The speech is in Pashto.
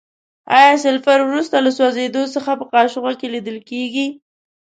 آیا سلفر وروسته له سوځیدو څخه په قاشوغه کې لیدل کیږي؟